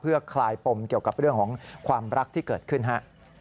เพื่อคลายปมเกี่ยวกับเรื่องของความรักที่เกิดขึ้นฮะ